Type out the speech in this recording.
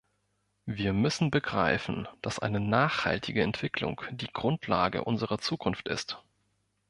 Wir müssen begreifen, dass eine nachhaltige Entwicklung die Grundlage unserer Zukunft ist.